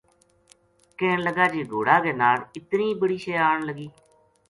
کہن لگا جی گھوڑا کے ناڑ اتنی بڑی شے آن لگی